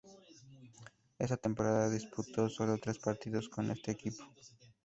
Esa temporada disputó solo tres partidos con este equipo.